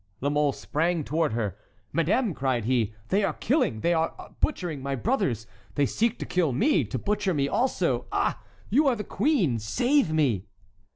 La Mole sprang toward her. "Madame," cried he, "they are killing, they are butchering my brothers—they seek to kill me, to butcher me also! Ah! you are the queen—save me!"